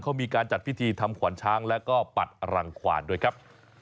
เขามีการจัดพิธีทำขวัญช้างแล้วก็ปัดอรังขวานด้วยครับ